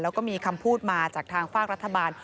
แล้วก็มีคำพูดมาจากทางฝากรัฐบาล